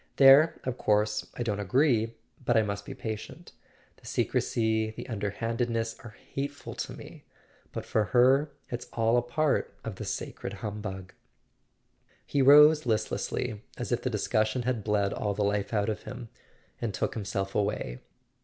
There, of course, I don't agree; but I must be patient. The secrecy, the under handedness, are hateful to me; but for her it's all a part of the sacred humbug." [ 361 ] A SON AT THE FRONT He rose listlessly, as if the discussion had bled all the life out of him, and took himself away.